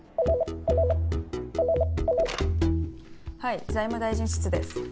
はい財務大臣室です。